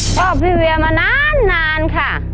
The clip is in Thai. พ่อพี่เวียมานานค่ะ